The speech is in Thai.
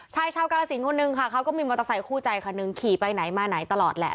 ชายชาวกาลสินคนนึงค่ะเขาก็มีมอเตอร์ไซคู่ใจคันหนึ่งขี่ไปไหนมาไหนตลอดแหละ